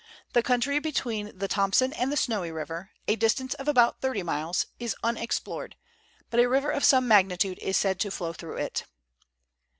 The country between the Thomson and the Snowy River, a distance of about thirty miles, is unexplored, but a river of some magnitude is said to flow through it.